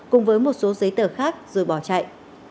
cùng với một số giấy tờ khác rồi bỏ chạy